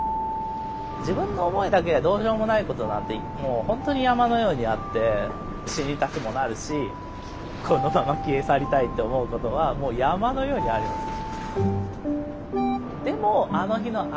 自分の思いだけじゃどうしようもないことなんてもう本当に山のようにあって死にたくもなるしこのまま消え去りたいって思うことはもう山のようにあります。